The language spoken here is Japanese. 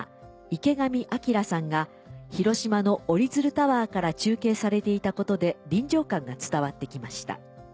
池上彰さんが広島のおりづるタワーから中継されていたことで臨場感が伝わってきました。